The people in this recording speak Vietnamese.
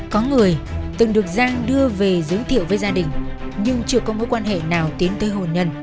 có người từng được giang đưa về giới thiệu với gia đình nhưng chưa có mối quan hệ nào tiến tới hồn nhân